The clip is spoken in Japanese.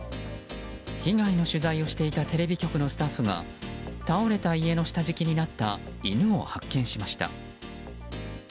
被害の取材をしていたテレビ局のスタッフが倒れた家の下敷きになった犬を発見しました。